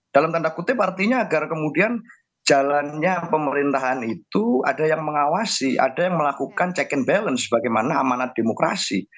dalam tanda kutip artinya agar kemudian jalannya pemerintahan itu ada yang mengawasi ada yang melakukan check and balance bagaimana amanat demokrasi